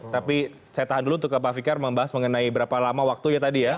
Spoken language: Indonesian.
tapi saya tahan dulu untuk ke pak fikar membahas mengenai berapa lama waktunya tadi ya